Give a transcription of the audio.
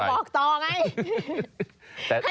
ไหนบอกว่าอย่าบอกตอนไง